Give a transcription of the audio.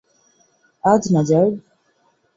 আজ না, যার্গ!